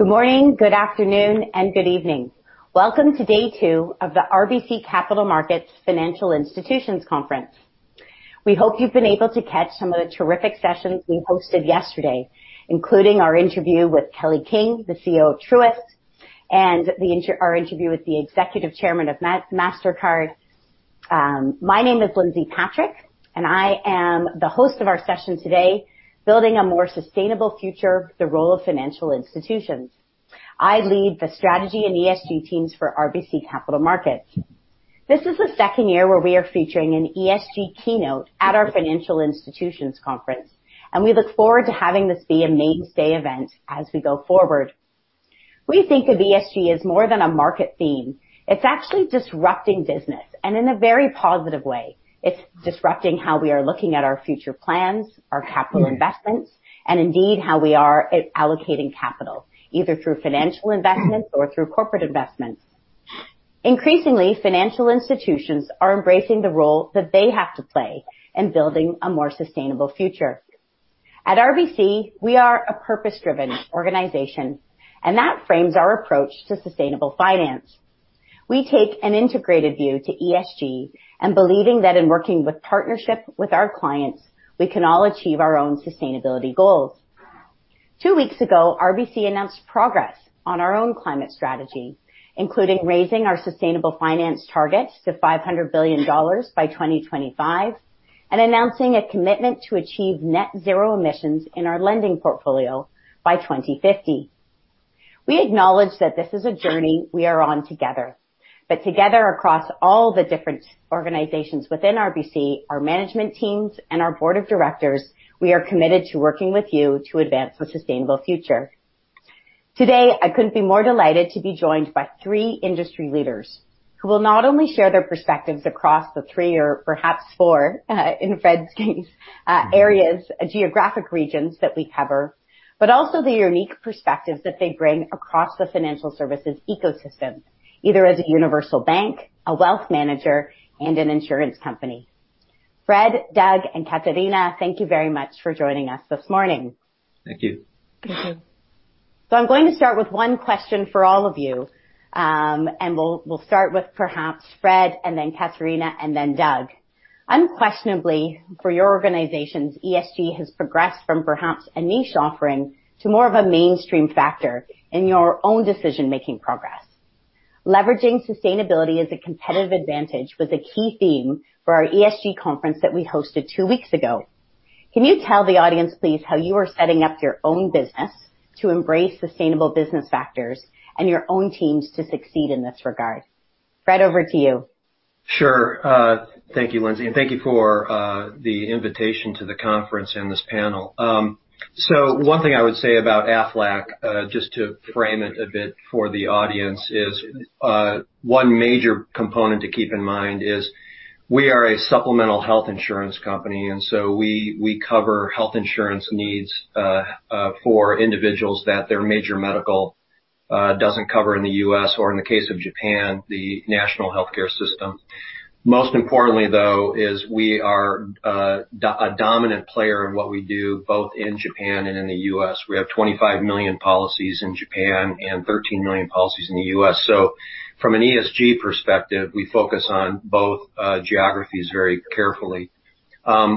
Good morning, good afternoon, and good evening. Welcome to day two of the RBC Capital Markets Financial Institutions Conference. We hope you've been able to catch some of the terrific sessions we hosted yesterday, including our interview with Kelly King, the CEO of Truist, and our interview with the Executive Chairman of Mastercard. My name is Lindsay Patrick, I am the host of our session today, Building a More Sustainable Future: The Role of Financial Institutions. I lead the strategy and ESG teams for RBC Capital Markets. This is the second year where we are featuring an ESG keynote at our financial institutions conference, We look forward to having this be a mainstay event as we go forward. We think of ESG as more than a market theme. It's actually disrupting business, in a very positive way. It's disrupting how we are looking at our future plans, our capital investments, and indeed how we are allocating capital, either through financial investments or through corporate investments. Increasingly, financial institutions are embracing the role that they have to play in building a more sustainable future. At RBC, we are a purpose-driven organization, That frames our approach to sustainable finance. We take an integrated view to ESG, Believing that in working with partnership with our clients, we can all achieve our own sustainability goals. Two weeks ago, RBC announced progress on our own climate strategy, including raising our sustainable finance target to $500 billion by 2025, Announcing a commitment to achieve net zero emissions in our lending portfolio by 2050. We acknowledge that this is a journey we are on together. Together, across all the different organizations within RBC, our management teams, and our board of directors, we are committed to working with you to advance a sustainable future. Today, I couldn't be more delighted to be joined by three industry leaders who will not only share their perspectives across the three or perhaps four, in Fred's case, areas, geographic regions that we cover, but also the unique perspectives that they bring across the financial services ecosystems, either as a universal bank, a wealth manager, an insurance company. Fred, Doug, Katerina, thank you very much for joining us this morning. Thank you. Thank you. I'm going to start with one question for all of you. We'll start with perhaps Fred, then Catharina, and then Doug. Unquestionably for your organizations, ESG has progressed from perhaps a niche offering to more of a mainstream factor in your own decision-making progress. Leveraging sustainability as a competitive advantage was a key theme for our ESG conference that we hosted two weeks ago. Can you tell the audience, please, how you are setting up your own business to embrace sustainable business factors and your own teams to succeed in this regard? Fred, over to you. Sure. Thank you, Lindsay, thank you for the invitation to the conference and this panel. One thing I would say about Aflac, just to frame it a bit for the audience, is one major component to keep in mind is we are a supplemental health insurance company, we cover health insurance needs for individuals that their major medical doesn't cover in the U.S., or in the case of Japan, the national healthcare system. Most importantly, though, is we are a dominant player in what we do, both in Japan and in the U.S. We have 25 million policies in Japan and 13 million policies in the U.S. From an ESG perspective, we focus on both geographies very carefully.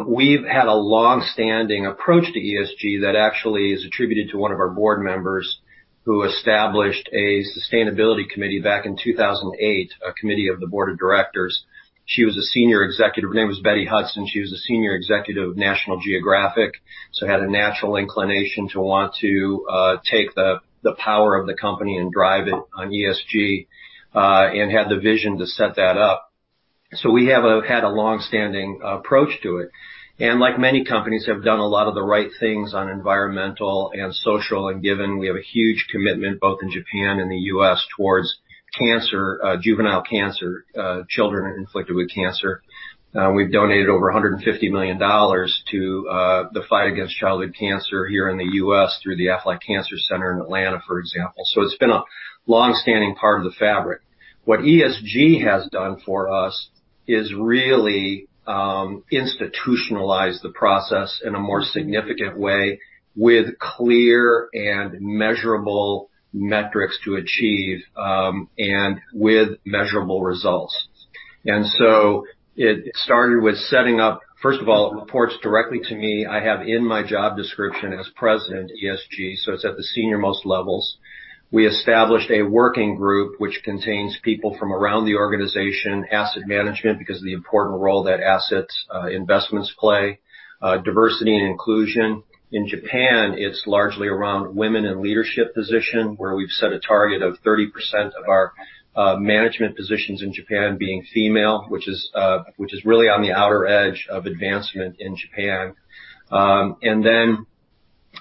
We've had a longstanding approach to ESG that actually is attributed to one of our board members who established a sustainability committee back in 2008, a committee of the board of directors. Her name was Betty Hudson. She was a senior executive of National Geographic, had a natural inclination to want to take the power of the company and drive it on ESG, had the vision to set that up. We have had a longstanding approach to it. Like many companies, have done a lot of the right things on environmental and social, given we have a huge commitment both in Japan and the U.S. towards juvenile cancer, children inflicted with cancer. We've donated over $150 million to the fight against childhood cancer here in the U.S. through the Aflac Cancer Center in Atlanta, for example. It's been a longstanding part of the fabric. What ESG has done for us is really institutionalize the process in a more significant way with clear and measurable metrics to achieve, and with measurable results. It started with setting up, first of all, it reports directly to me. I have in my job description as President, ESG, so it's at the senior-most levels. We established a working group which contains people from around the organization, asset management, because of the important role that assets, investments play. Diversity and inclusion. In Japan, it's largely around women in leadership position, where we've set a target of 30% of our management positions in Japan being female, which is really on the outer edge of advancement in Japan.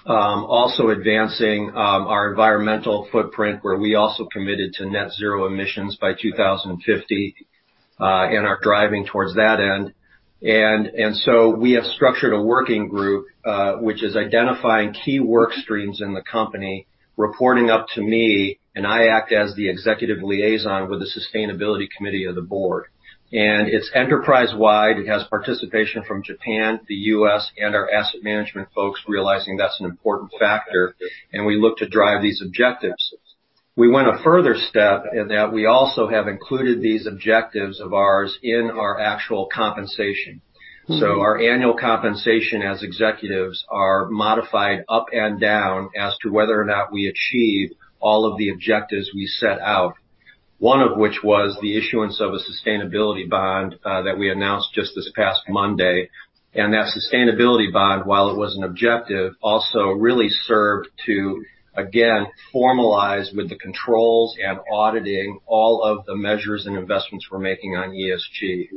Also advancing our environmental footprint where we also committed to net zero emissions by 2050, and are driving towards that end. We have structured a working group, which is identifying key work streams in the company, reporting up to me, and I act as the executive liaison with the sustainability committee of the board. It's enterprise-wide. It has participation from Japan, the U.S., and our asset management folks realizing that's an important factor, and we look to drive these objectives. We went a further step in that we also have included these objectives of ours in our actual compensation. Our annual compensation as executives are modified up and down as to whether or not we achieve all of the objectives we set out. One of which was the issuance of a sustainability bond that we announced just this past Monday. That sustainability bond, while it was an objective, also really served to, again, formalize with the controls and auditing all of the measures and investments we're making on ESG.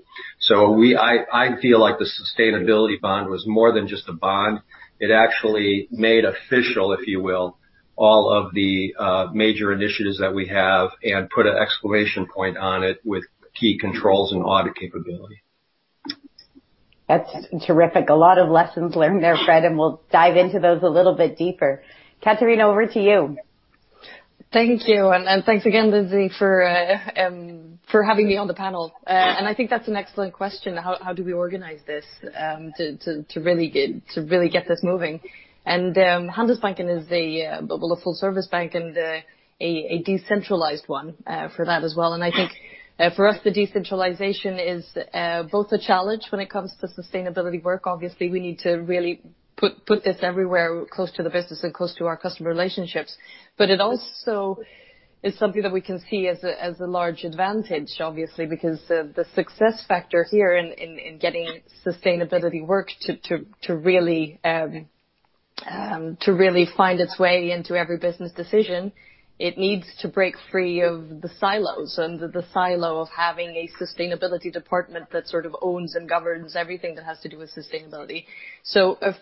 I feel like the sustainability bond was more than just a bond. It actually made official, if you will, all of the major initiatives that we have and put an exclamation point on it with key controls and audit capability. That's terrific. A lot of lessons learned there, Fred, and we'll dive into those a little bit deeper. Katarina, over to you. Thank you. Thanks again, Lindsay, for having me on the panel. I think that's an excellent question, how do we organize this to really get this moving? Handelsbanken is a full service bank and a decentralized one for that as well. I think for us, the decentralization is both a challenge when it comes to sustainability work. Obviously, we need to really put this everywhere close to the business and close to our customer relationships. It also is something that we can see as a large advantage, obviously, because the success factor here in getting sustainability work to really find its way into every business decision, it needs to break free of the silos. The silo of having a sustainability department that sort of owns and governs everything that has to do with sustainability.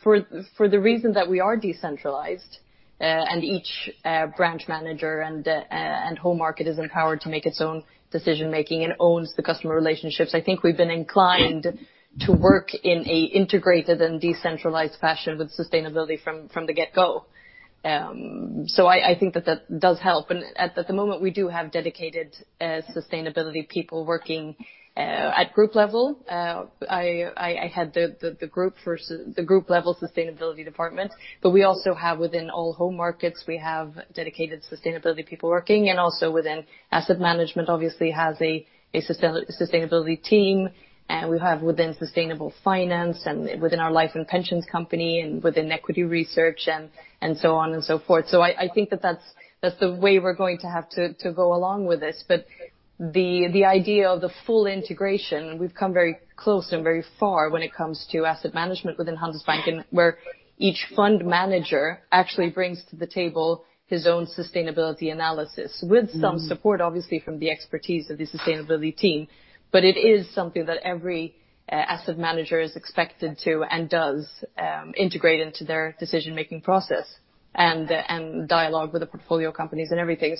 For the reason that we are decentralized, and each branch manager and whole market is empowered to make its own decision-making and owns the customer relationships, I think we've been inclined to work in an integrated and decentralized fashion with sustainability from the get-go. I think that does help. At the moment, we do have dedicated sustainability people working at group level. I had the group level sustainability department. We also have within all whole markets, we have dedicated sustainability people working, and also within asset management obviously has a sustainability team, and we have within sustainable finance and within our life and pensions company and within equity research and so on and so forth. I think that's the way we're going to have to go along with this. The idea of the full integration, we've come very close and very far when it comes to asset management within Handelsbanken, where each fund manager actually brings to the table his own sustainability analysis with some support, obviously, from the expertise of the sustainability team. It is something that every asset manager is expected to and does integrate into their decision-making process and dialogue with the portfolio companies and everything.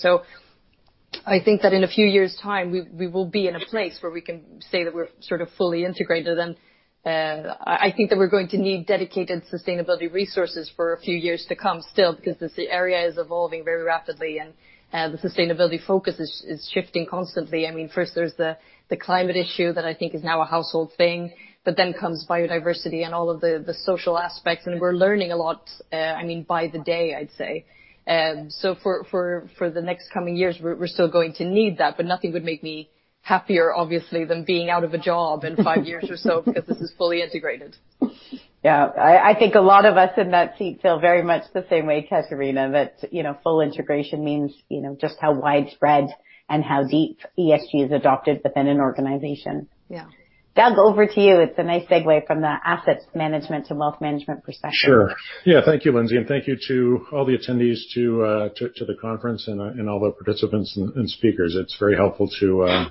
I think that in a few years' time, we will be in a place where we can say that we're sort of fully integrated. I think that we're going to need dedicated sustainability resources for a few years to come still because this area is evolving very rapidly, and the sustainability focus is shifting constantly. First there's the climate issue that I think is now a household thing, comes biodiversity and all of the social aspects, we're learning a lot by the day, I'd say. For the next coming years, we're still going to need that, but nothing would make me happier, obviously, than being out of a job in five years or so because this is fully integrated. I think a lot of us in that seat feel very much the same way, Katarina, that full integration means just how widespread and how deep ESG is adopted within an organization. Yeah. Doug, over to you. It's a nice segue from the asset management to wealth management perspective. Sure. Thank you, Lindsay, and thank you to all the attendees to the conference and all the participants and speakers. It's very helpful to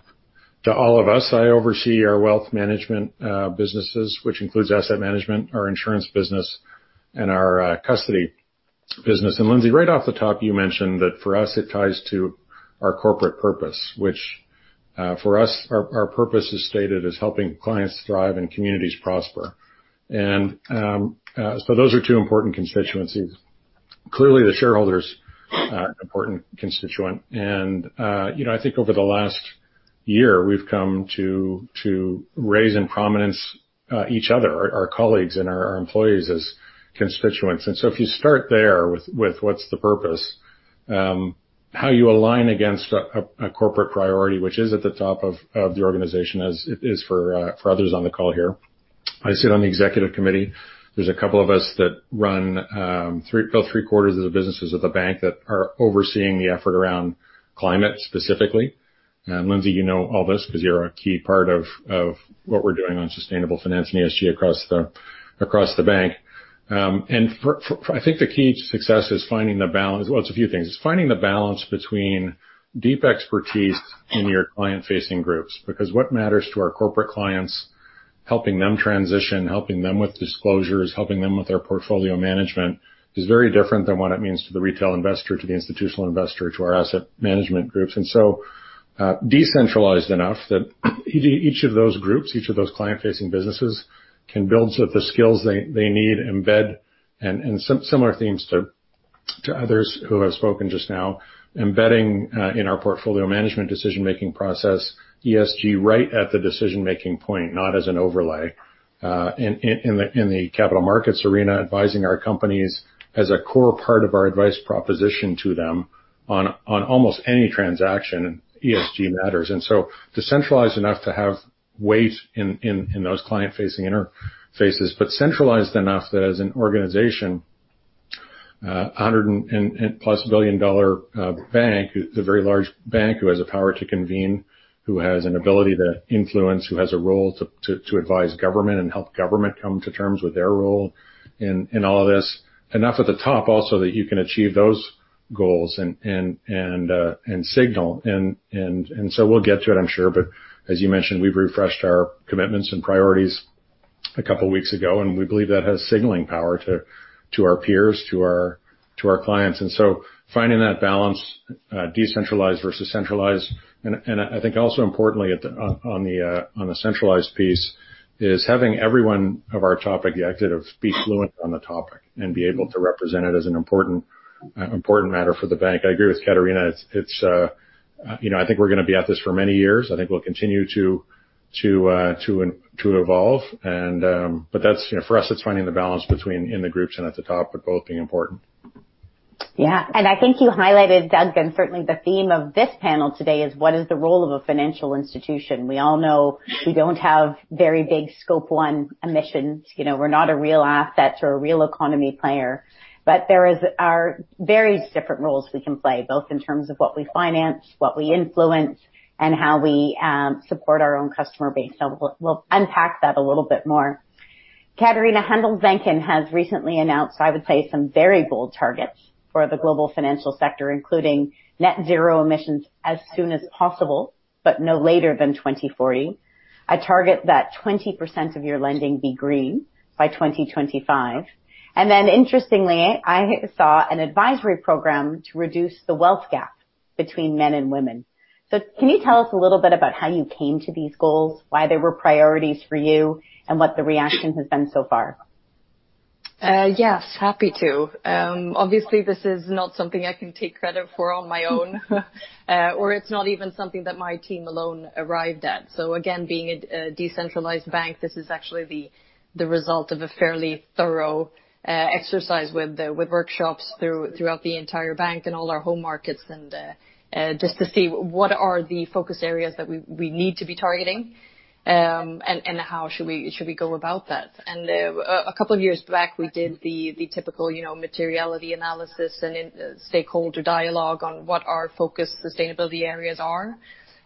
all of us. I oversee our wealth management businesses, which includes asset management, our insurance business, and our custody business. Lindsay, right off the top, you mentioned that for us it ties to our corporate purpose, which for us, our purpose is stated as helping clients thrive and communities prosper. Those are two important constituencies. Clearly, the shareholders are an important constituent. I think over the last year, we've come to raise in prominence each other, our colleagues and our employees as constituents. If you start there with what's the purpose, how you align against a corporate priority, which is at the top of the organization, as it is for others on the call here. I sit on the executive committee. There's a couple of us that run about three-quarters of the businesses of the bank that are overseeing the effort around climate specifically. Lindsay, you know all this because you're a key part of what we're doing on sustainable finance and ESG across the bank. I think the key to success is finding the balance. Well, it's a few things. It's finding the balance between deep expertise in your client-facing groups. Because what matters to our corporate clients, helping them transition, helping them with disclosures, helping them with their portfolio management, is very different than what it means to the retail investor, to the institutional investor, to our asset management groups. Decentralized enough that each of those groups, each of those client-facing businesses, can build the skills they need, embed, and similar themes to others who have spoken just now, embedding in our portfolio management decision-making process, ESG right at the decision-making point, not as an overlay. In the capital markets arena, advising our companies as a core part of our advice proposition to them on almost any transaction, ESG matters. To centralize enough to have weight in those client-facing interfaces, but centralized enough that as an organization, a $100+ billion bank, the very large bank who has the power to convene, who has an ability to influence, who has a role to advise government and help government come to terms with their role in all of this. Enough at the top also that you can achieve those goals and signal. We'll get to it, I'm sure, but as you mentioned, we've refreshed our commitments and priorities a couple weeks ago, we believe that has signaling power to our peers, to our clients. Finding that balance, decentralized versus centralized. I think also importantly on the centralized piece is having everyone of our top executive be fluent on the topic and be able to represent it as an important matter for the bank. I agree with Katarina. I think we're going to be at this for many years. I think we'll continue to evolve. For us, it's finding the balance between in the groups and at the top, but both being important. Yeah. I think you highlighted, Doug, and certainly the theme of this panel today is what is the role of a financial institution? We all know we don't have very big scope one emissions. We're not a real assets or a real economy player, but there are various different roles we can play, both in terms of what we finance, what we influence, and how we support our own customer base. We'll unpack that a little bit more. Katarina, Handelsbanken has recently announced, I would say, some very bold targets for the global financial sector, including net zero emissions as soon as possible, but no later than 2040, a target that 20% of your lending be green by 2025. Interestingly, I saw an advisory program to reduce the wealth gap between men and women. Can you tell us a little bit about how you came to these goals, why they were priorities for you, and what the reaction has been so far? Yes. Happy to. Obviously, this is not something I can take credit for on my own, or it's not even something that my team alone arrived at. Again, being a decentralized bank, this is actually the result of a fairly thorough exercise with workshops throughout the entire bank and all our home markets just to see what are the focus areas that we need to be targeting, and how should we go about that. A couple of years back, we did the typical materiality analysis and stakeholder dialogue on what our focus sustainability areas are.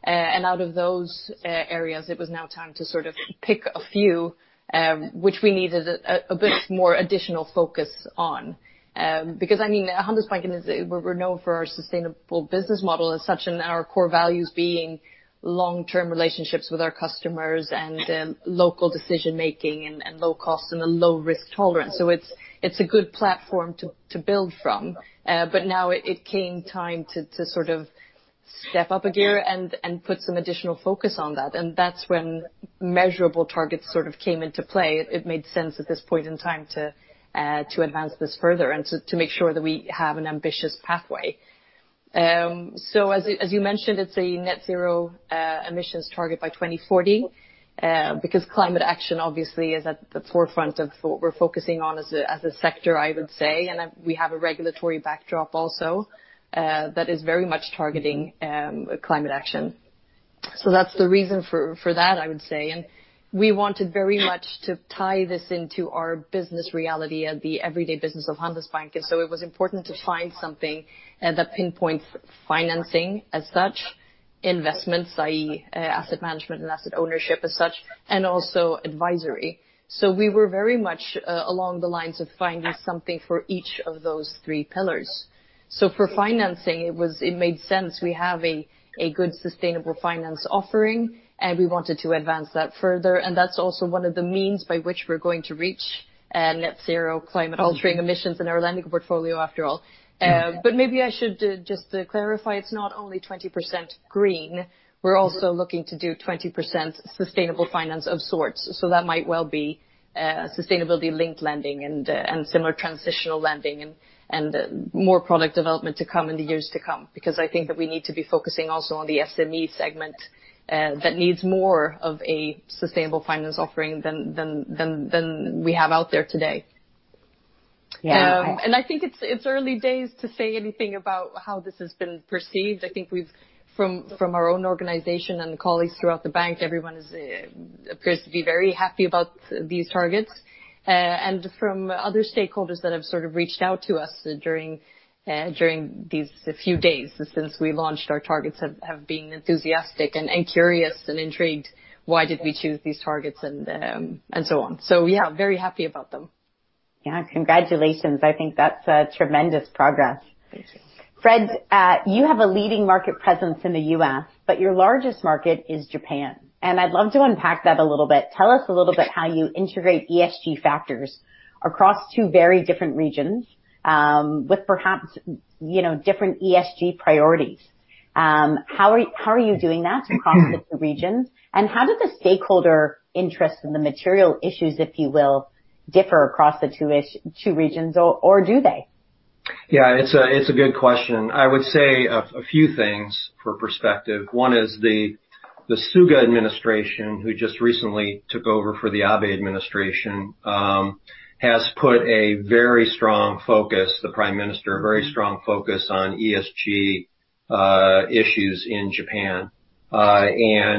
Out of those areas, it was now time to sort of pick a few which we needed a bit more additional focus on. Handelsbanken, we're known for our sustainable business model as such, and our core values being long-term relationships with our customers and local decision-making and low cost and a low risk tolerance. It's a good platform to build from. Now it came time to sort of step up a gear and put some additional focus on that. That's when measurable targets came into play. It made sense at this point in time to advance this further and to make sure that we have an ambitious pathway. As you mentioned, it's a net zero emissions target by 2040, because climate action obviously is at the forefront of what we're focusing on as a sector, I would say. We have a regulatory backdrop also that is very much targeting climate action. That's the reason for that, I would say. We wanted very much to tie this into our business reality and the everyday business of Handelsbanken. It was important to find something that pinpoints financing as such, investments, i.e., asset management and asset ownership as such, and also advisory. We were very much along the lines of finding something for each of those three pillars. For financing, it made sense. We have a good sustainable finance offering, and we wanted to advance that further, and that's also one of the means by which we're going to reach net zero climate altering emissions in our lending portfolio, after all. Maybe I should just clarify, it's not only 20% green, we're also looking to do 20% sustainable finance of sorts. That might well be sustainability-linked lending and similar transitional lending and more product development to come in the years to come. I think that we need to be focusing also on the SME segment that needs more of a sustainable finance offering than we have out there today. Yeah. I think it's early days to say anything about how this has been perceived. I think from our own organization and colleagues throughout the bank, everyone appears to be very happy about these targets. From other stakeholders that have reached out to us during these few days since we launched our targets have been enthusiastic and curious and intrigued why did we choose these targets and so on. Yeah, very happy about them. Yeah. Congratulations. I think that's a tremendous progress. Thank you. Fred, you have a leading market presence in the U.S., but your largest market is Japan, and I'd love to unpack that a little bit. Tell us a little bit how you integrate ESG factors across two very different regions, with perhaps different ESG priorities. How are you doing that across the two regions, and how do the stakeholder interests and the material issues, if you will, differ across the two regions, or do they? Yeah, it's a good question. I would say a few things for perspective. One is the Suga administration, who just recently took over for the Abe administration, has put a very strong focus, the Prime Minister, a very strong focus on ESG issues in Japan. They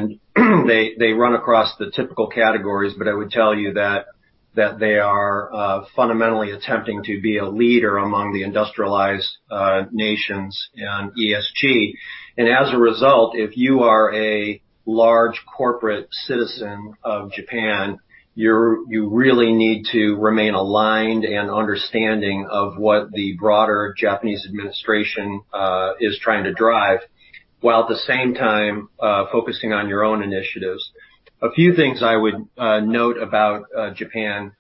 run across the typical categories, but I would tell you that they are fundamentally attempting to be a leader among the industrialized nations on ESG. As a result, if you are a large corporate citizen of Japan, you really need to remain aligned and understanding of what the broader Japanese administration is trying to drive, while at the same time focusing on your own initiatives. A few things I would note about Japan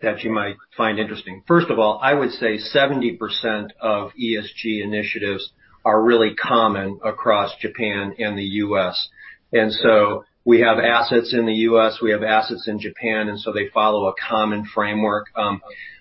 that you might find interesting. First of all, I would say 70% of ESG initiatives are really common across Japan and the U.S. We have assets in the U.S., we have assets in Japan, they follow a common framework.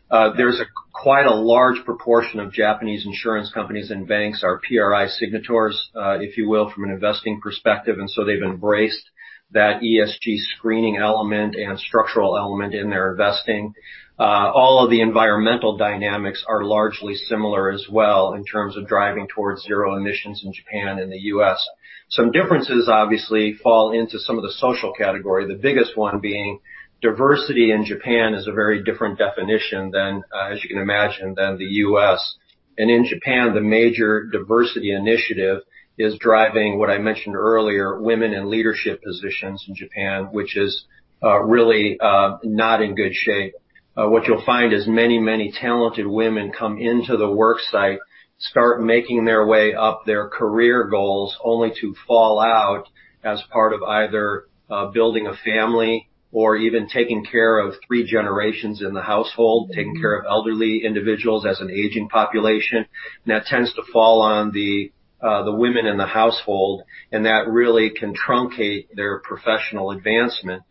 There's quite a large proportion of Japanese insurance companies and banks are PRI signatories if you will, from an investing perspective, they've embraced that ESG screening element and structural element in their investing. All of the environmental dynamics are largely similar as well in terms of driving towards zero emissions in Japan and the U.S. Some differences, obviously, fall into some of the social category, the biggest one being diversity in Japan is a very different definition than, as you can imagine, than the U.S. In Japan, the major diversity initiative is driving what I mentioned earlier, women in leadership positions in Japan, which is really not in good shape. What you'll find is many talented women come into the work site, start making their way up their career goals, only to fall out as part of either building a family or even taking care of three generations in the household, taking care of elderly individuals as an aging population. That tends to fall on the women in the household, that really can truncate their professional advancement.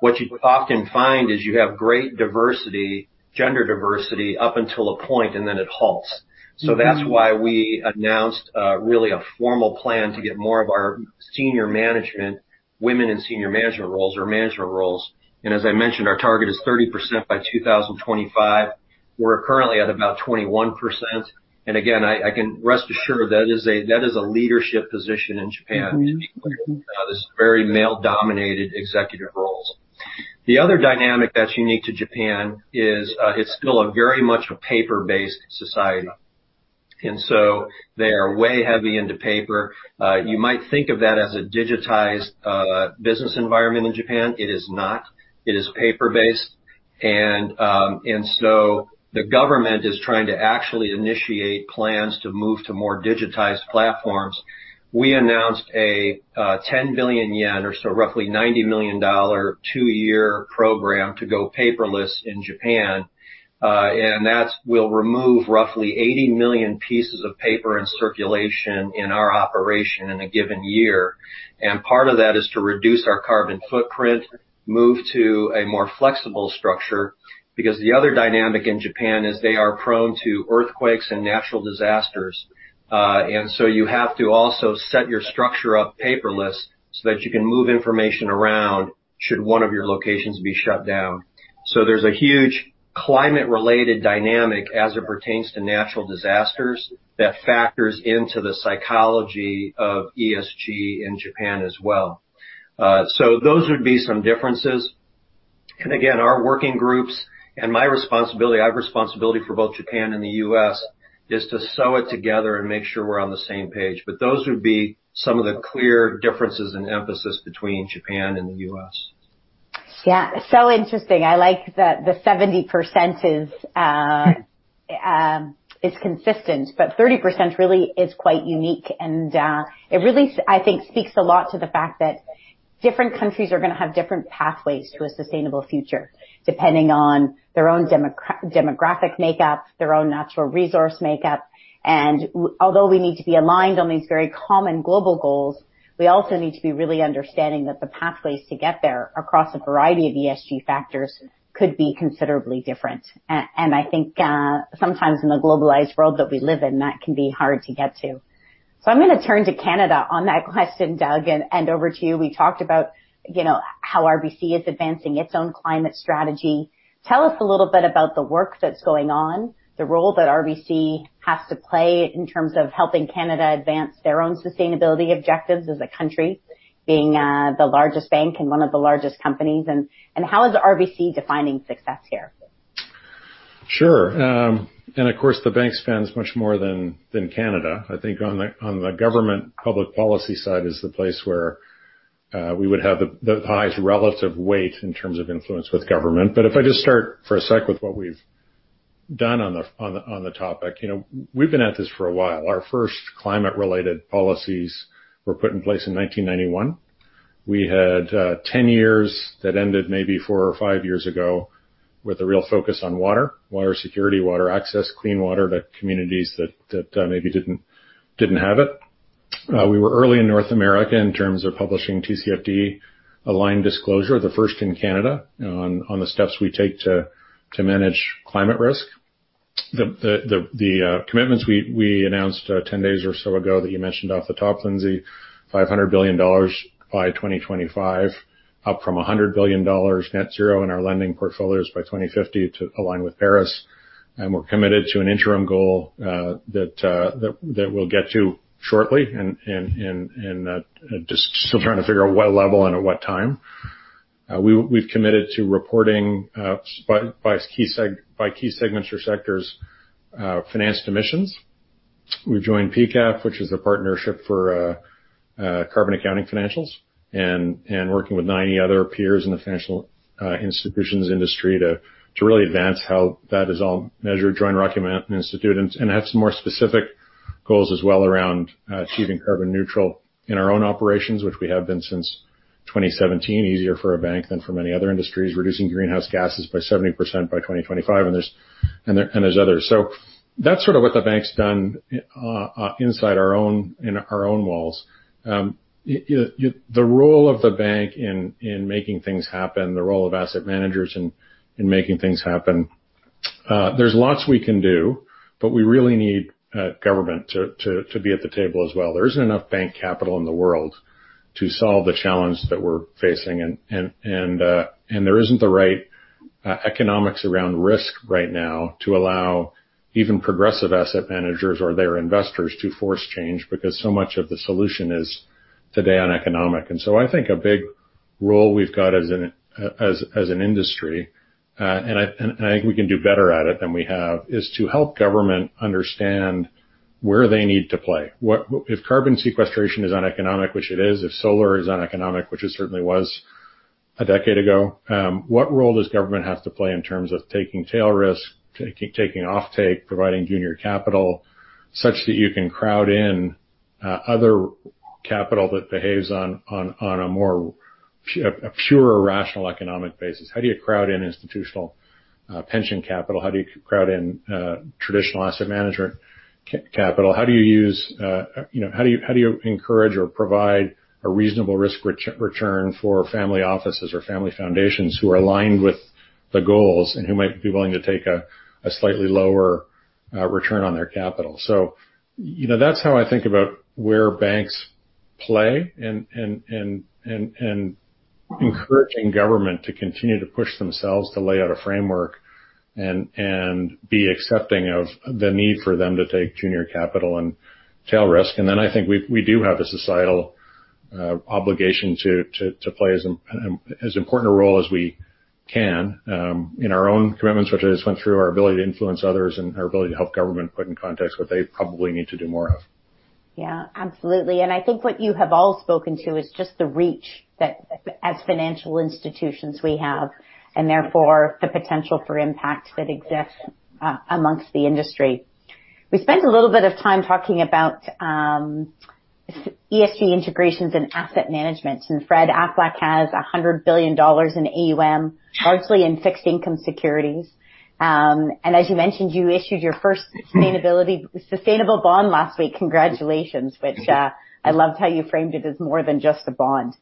What you often find is you have great diversity, gender diversity, up until a point, it halts. That's why we announced really a formal plan to get more of our senior management, women in senior management roles or management roles. As I mentioned, our target is 30% by 2025. We're currently at about 21%. Again, I can rest assure that is a leadership position in Japan- these very male-dominated executive roles. The other dynamic that's unique to Japan is it's still a very much a paper-based society. They are way heavy into paper. You might think of that as a digitized business environment in Japan. It is not. It is paper-based. The government is trying to actually initiate plans to move to more digitized platforms. We announced a 10 billion yen, or so roughly $90 million, two-year program to go paperless in Japan. That will remove roughly 80 million pieces of paper in circulation in our operation in a given year. Part of that is to reduce our carbon footprint, move to a more flexible structure, because the other dynamic in Japan is they are prone to earthquakes and natural disasters. You have to also set your structure up paperless so that you can move information around should one of your locations be shut down. There's a huge climate-related dynamic as it pertains to natural disasters that factors into the psychology of ESG in Japan as well. Those would be some differences. Our working groups and my responsibility, I have responsibility for both Japan and the U.S., is to sew it together and make sure we're on the same page. Those would be some of the clear differences in emphasis between Japan and the U.S. Yeah. Interesting. I like that the 70% is consistent, 30% really is quite unique. It really, I think, speaks a lot to the fact that different countries are going to have different pathways to a sustainable future depending on their own demographic makeup, their own natural resource makeup. Although we need to be aligned on these very common global goals, we also need to be really understanding that the pathways to get there across a variety of ESG factors could be considerably different. I think sometimes in the globalized world that we live in, that can be hard to get to. I'm going to turn to Canada on that question, Doug, and over to you. We talked about how RBC is advancing its own climate strategy. Tell us a little bit about the work that's going on, the role that RBC has to play in terms of helping Canada advance their own sustainability objectives as a country, being the largest bank and one of the largest companies, and how is RBC defining success here? Sure. Of course, the bank spans much more than Canada. I think on the government public policy side is the place where we would have the highest relative weight in terms of influence with government. If I just start for a sec with what we've done on the topic. We've been at this for a while. Our first climate-related policies were put in place in 1991. We had 10 years that ended maybe four or five years ago with a real focus on water security, water access, clean water to communities that maybe didn't have it. We were early in North America in terms of publishing TCFD-aligned disclosure, the first in Canada, on the steps we take to manage climate risk. The commitments we announced 10 days or so ago that you mentioned off the top, Lindsay, $500 billion by 2025, up from $100 billion net zero in our lending portfolios by 2050 to align with the Paris Agreement. We're committed to an interim goal that we'll get to shortly and just still trying to figure out what level and at what time. We've committed to reporting by key segments or sectors financed emissions. We've joined PCAF, which is the Partnership for Carbon Accounting Financials, and working with 90 other peers in the financial institutions industry to really advance how that is all measured, join Rocky Mountain Institute, and have some more specific goals as well around achieving carbon neutral in our own operations, which we have been since 2017, easier for a bank than for many other industries, reducing greenhouse gases by 70% by 2025. There's others. That's sort of what the bank's done inside our own walls. The role of the bank in making things happen, the role of asset managers in making things happen, there's lots we can do, but we really need government to be at the table as well. There isn't enough bank capital in the world to solve the challenge that we're facing. There isn't the right economics around risk right now to allow even progressive asset managers or their investors to force change because so much of the solution is today uneconomic. I think a big role we've got as an industry, and I think we can do better at it than we have, is to help government understand where they need to play. If carbon sequestration is uneconomic, which it is. If solar is uneconomic, which it certainly was a decade ago. What role does government have to play in terms of taking tail risk, taking offtake, providing junior capital such that you can crowd in other capital that behaves on a purer rational economic basis? How do you crowd in institutional pension capital? How do you crowd in traditional asset management capital? How do you encourage or provide a reasonable risk return for family offices or family foundations who are aligned with the goals and who might be willing to take a slightly lower return on their capital? That's how I think about where banks play and encouraging government to continue to push themselves to lay out a framework and be accepting of the need for them to take junior capital and tail risk. I think we do have a societal obligation to play as important a role as we can in our own commitments, which I just went through, our ability to influence others, and our ability to help government put in context what they probably need to do more of. Absolutely. I think what you have all spoken to is just the reach that as financial institutions we have, and therefore the potential for impact that exists amongst the industry. We spent a little bit of time talking about ESG integrations and asset management. Fred, Aflac has $100 billion in AUM, largely in fixed income securities. As you mentioned, you issued your first sustainable bond last week. Congratulations. Which I loved how you framed it as more than just a bond.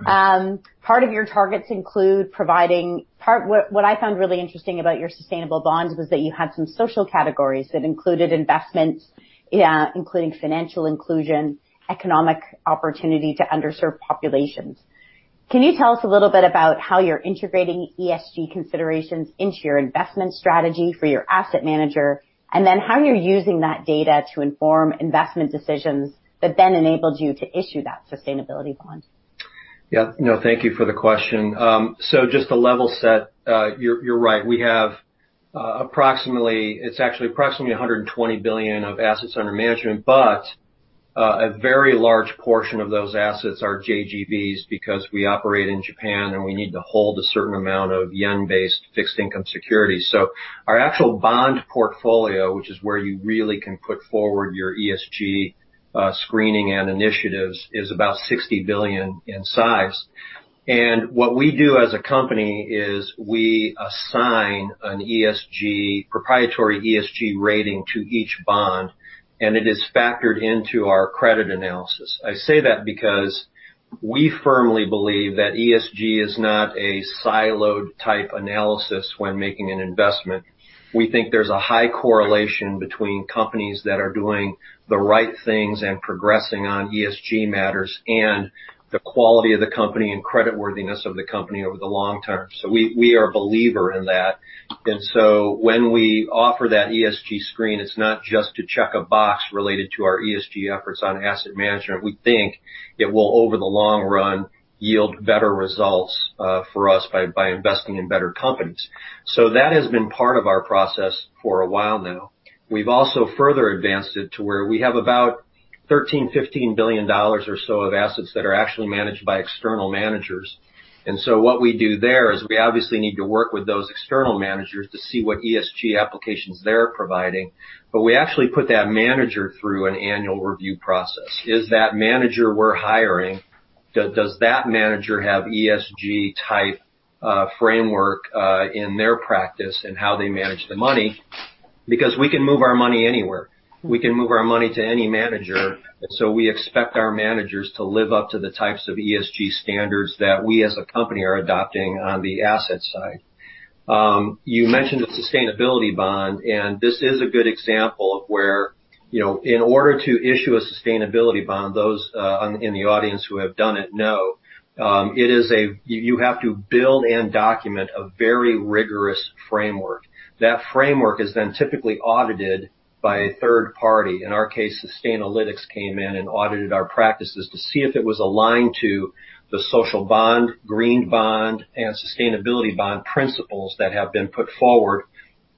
Right. Part of your targets include What I found really interesting about your sustainable bonds was that you had some social categories that included investments including financial inclusion, economic opportunity to underserved populations. Can you tell us a little bit about how you're integrating ESG considerations into your investment strategy for your asset manager, and then how you're using that data to inform investment decisions that then enabled you to issue that sustainability bond? No, thank you for the question. Just to level set, you're right. We have approximately 120 billion of assets under management, but a very large portion of those assets are JGBs because we operate in Japan, and we need to hold a certain amount of yen-based fixed income securities. Our actual bond portfolio, which is where you really can put forward your ESG screening and initiatives, is about 60 billion in size. What we do as a company is we assign a proprietary ESG rating to each bond, and it is factored into our credit analysis. I say that because we firmly believe that ESG is not a siloed type analysis when making an investment. We think there's a high correlation between companies that are doing the right things and progressing on ESG matters, and the quality of the company and credit worthiness of the company over the long term. We are a believer in that. When we offer that ESG screen, it's not just to check a box related to our ESG efforts on asset management. We think it will, over the long run, yield better results for us by investing in better companies. That has been part of our process for a while now. We've also further advanced it to where we have about $13 billion, $15 billion or so of assets that are actually managed by external managers. What we do there is we obviously need to work with those external managers to see what ESG applications they're providing. We actually put that manager through an annual review process. Is that manager we're hiring, does that manager have ESG type framework in their practice in how they manage the money? We can move our money anywhere. We can move our money to any manager, we expect our managers to live up to the types of ESG standards that we as a company are adopting on the asset side. You mentioned a Sustainability Bond, this is a good example of where in order to issue a Sustainability Bond, those in the audience who have done it know, you have to build and document a very rigorous framework. That framework is then typically audited by a third party. In our case, Sustainalytics came in and audited our practices to see if it was aligned to the Social Bond, Green Bond, and Sustainability Bond principles that have been put forward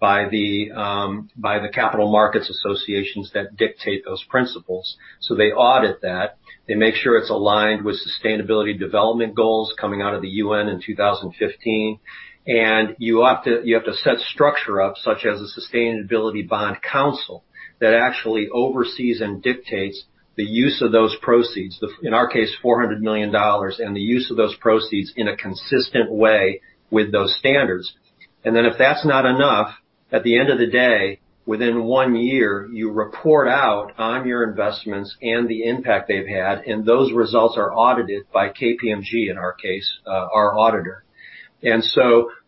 by the capital markets associations that dictate those principles. They audit that, they make sure it's aligned with Sustainable Development Goals coming out of the UN in 2015, and you have to set structure up such as a Sustainability Bond Council that actually oversees and dictates the use of those proceeds, in our case, $400 million, and the use of those proceeds in a consistent way with those standards. If that's not enough, at the end of the day, within one year, you report out on your investments and the impact they've had, and those results are audited by KPMG, in our case, our auditor.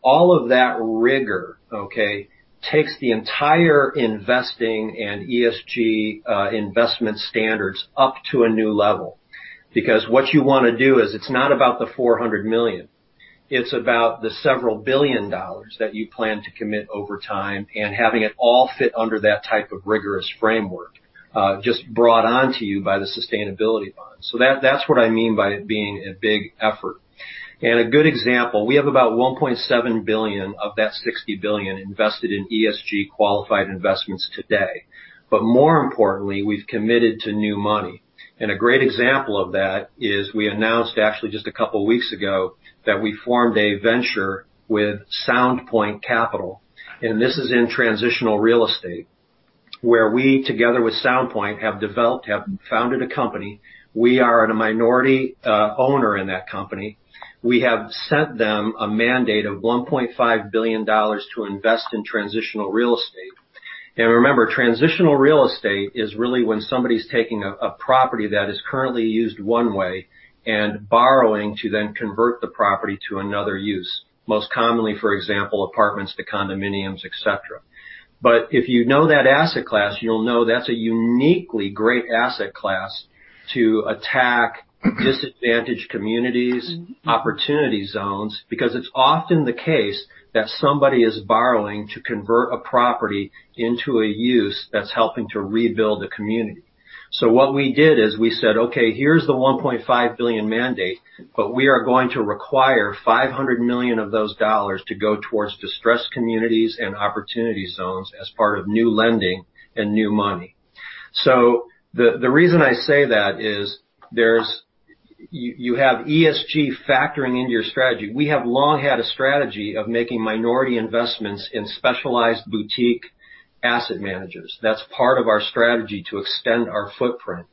All of that rigor, okay, takes the entire investing and ESG investment standards up to a new level. What you want to do is it's not about the $400 million, it's about the several billion dollars that you plan to commit over time and having it all fit under that type of rigorous framework just brought on to you by the Sustainability Bond. That's what I mean by it being a big effort. A good example, we have about $1.7 billion of that $60 billion invested in ESG qualified investments today. More importantly, we've committed to new money. A great example of that is we announced actually just a couple of weeks ago that we formed a venture with SoundPoint Capital, this is in transitional real estate, where we together with SoundPoint, have founded a company. We are a minority owner in that company. We have sent them a mandate of $1.5 billion to invest in transitional real estate. Remember, transitional real estate is really when somebody's taking a property that is currently used one way and borrowing to then convert the property to another use. Most commonly, for example, apartments to condominiums, et cetera. If you know that asset class, you'll know that's a uniquely great asset class to attack disadvantaged communities, opportunity zones, because it's often the case that somebody is borrowing to convert a property into a use that's helping to rebuild the community. What we did is we said, "Okay, here's the $1.5 billion mandate, but we are going to require $500 million of those dollars to go towards distressed communities and opportunity zones as part of new lending and new money." The reason I say that is you have ESG factoring into your strategy. We have long had a strategy of making minority investments in specialized boutique asset managers. That's part of our strategy to extend our footprint.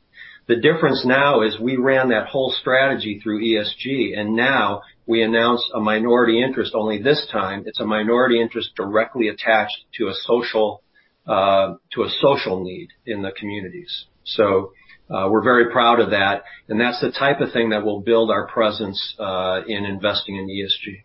The difference now is we ran that whole strategy through ESG, and now we announce a minority interest. Only this time, it's a minority interest directly attached to a social need in the communities. We're very proud of that, and that's the type of thing that will build our presence in investing in ESG.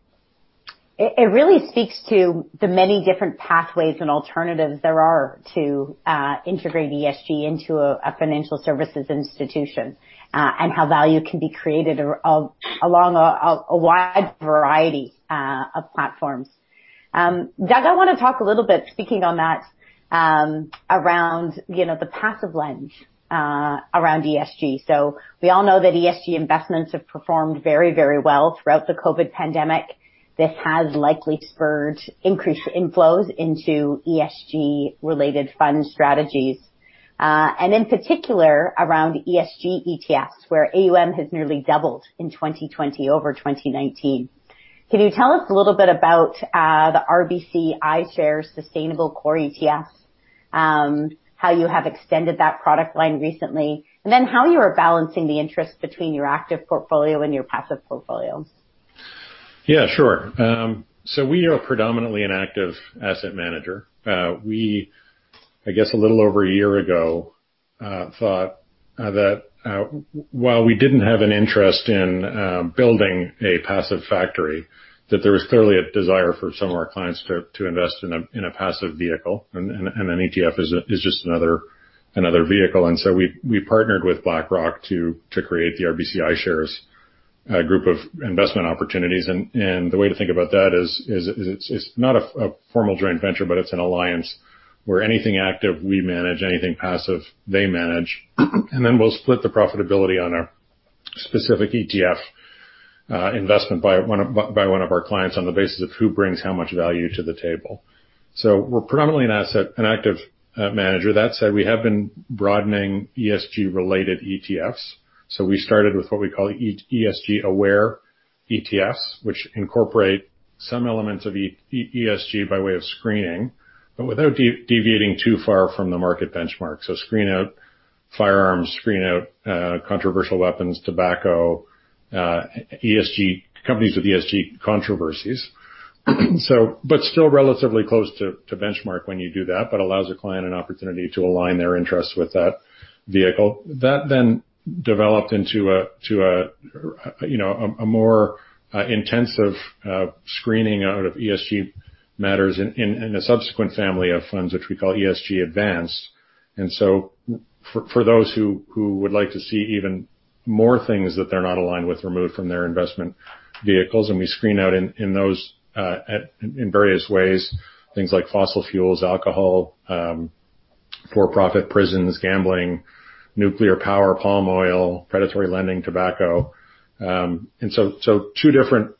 It really speaks to the many different pathways and alternatives there are to integrate ESG into a financial services institution, and how value can be created along a wide variety of platforms. Doug, I want to talk a little bit, speaking on that, around the passive lens around ESG. We all know that ESG investments have performed very well throughout the COVID pandemic. This has likely spurred increased inflows into ESG-related fund strategies, and in particular around ESG ETFs, where AUM has nearly doubled in 2020 over 2019. Can you tell us a little bit about the RBC iShares Sustainable Core ETF, how you have extended that product line recently, and then how you are balancing the interest between your active portfolio and your passive portfolio? We are predominantly an active asset manager. We, I guess a little over a year ago, thought that while we didn't have an interest in building a passive factory, that there was clearly a desire for some of our clients to invest in a passive vehicle, and an ETF is just another vehicle. We partnered with BlackRock to create the RBC iShares group of investment opportunities. The way to think about that is it's not a formal joint venture, but it's an alliance where anything active we manage, anything passive they manage, and then we'll split the profitability on a specific ETF investment by one of our clients on the basis of who brings how much value to the table. We're predominantly an active manager. That said, we have been broadening ESG-related ETFs. We started with what we call ESG aware ETFs, which incorporate some elements of ESG by way of screening, without deviating too far from the market benchmark. Screen out firearms, screen out controversial weapons, tobacco, companies with ESG controversies. Still relatively close to benchmark when you do that, but allows a client an opportunity to align their interests with that vehicle. That developed into a more intensive screening out of ESG matters in a subsequent family of funds, which we call ESG Advanced. For those who would like to see even more things that they're not aligned with removed from their investment vehicles, we screen out in various ways, things like fossil fuels, alcohol, for-profit prisons, gambling, nuclear power, palm oil, predatory lending, tobacco. Two different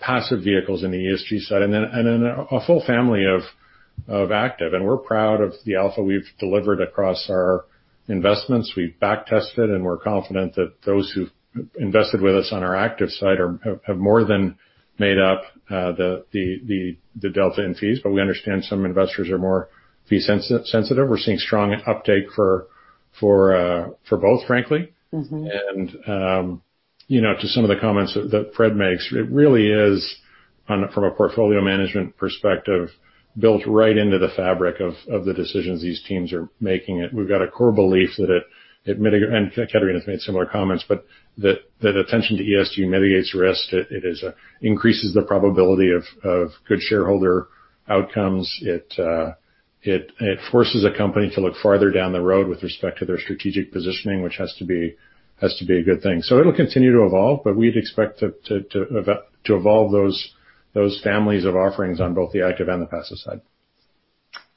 passive vehicles in the ESG side and then a full family of active. We're proud of the alpha we've delivered across our investments. We've back tested, and we're confident that those who've invested with us on our active side have more than made up the delta in fees. We understand some investors are more fee sensitive. We're seeing strong uptake for both, frankly. To some of the comments that Fred makes, it really is, from a portfolio management perspective, built right into the fabric of the decisions these teams are making. We've got a core belief that, and Katarina has made similar comments, but that attention to ESG mitigates risk. It increases the probability of good shareholder outcomes. It forces a company to look farther down the road with respect to their strategic positioning, which has to be a good thing. It'll continue to evolve, but we'd expect to evolve those families of offerings on both the active and the passive side.